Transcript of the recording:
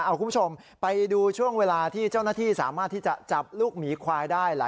เอาคุณผู้ชมไปดูช่วงเวลาที่เจ้าหน้าที่สามารถที่จะจับลูกหมีควายได้